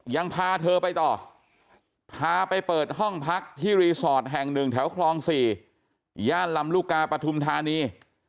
ยังพาเธอไปต่อพาไปเปิดห้องพักที่รีสอร์ทแห่ง๑แถวคลอง๔ย่านลำลูกกาปฐุมธานี